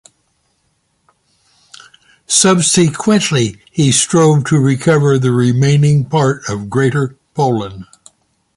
Subsequently, he strove to recover the remaining part of Greater Poland.